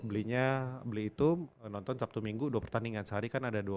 belinya beli itu nonton sabtu minggu dua pertandingan sehari kan ada dua puluh